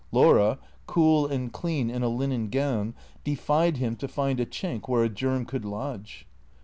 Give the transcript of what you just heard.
Laura, cool and clean in a linen gown, defied him to find a chink where a germ could lodge.